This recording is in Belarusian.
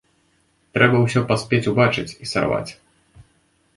Трэба ўсё паспець убачыць і сарваць.